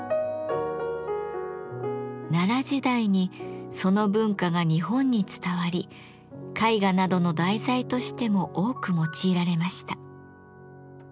奈良時代にその文化が日本に伝わり絵画などの題材としても多く用いられました。